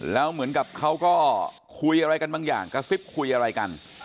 แล้วเหมือนกับเขาก็คุยอะไรกันบางอย่างกระซิบคุยอะไรกัน